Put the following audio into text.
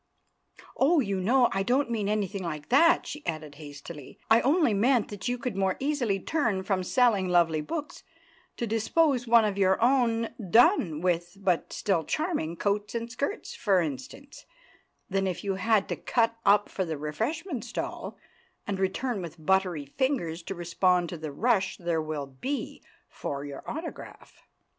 "Oh, you know I don't mean anything like that!" she added hastily. "I only meant that you could more easily turn from selling lovely books, to dispose of one of your own done with but still charming coats and skirts, for instance, than if you had to cut up for the refreshment stall, and return with buttery fingers to respond to the rush there will be for your autograph."